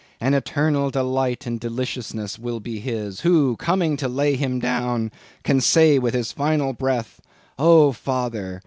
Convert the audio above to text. And eternal delight and deliciousness will be his, who coming to lay him down, can say with his final breath—O Father!